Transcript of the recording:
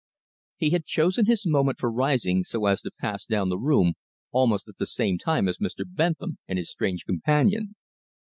He had chosen his moment for rising so as to pass down the room almost at the same time as Mr. Bentham and his strange companion.